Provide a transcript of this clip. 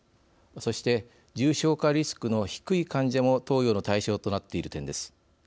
そして重症化リスクの低い患者も投与の対象となっている点です。